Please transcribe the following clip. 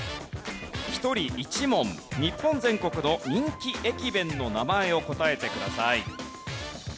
１人１問日本全国の人気駅弁の名前を答えてください。